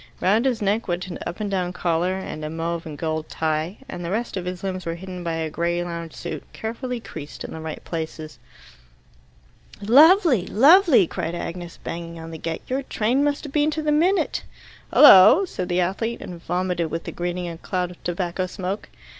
Round his neck went an up and down collar and a mauve and gold tie, and the rest of his limbs were hidden by a grey lounge suit, carefully creased in the right places. "Lovely! Lovely!" cried Agnes, banging on the gate, "Your train must have been to the minute." "Hullo!" said the athlete, and vomited with the greeting a cloud of tobacco smoke.